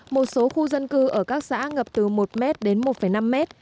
một số khu dân cư ở các xã ngập từ một m đến một năm mét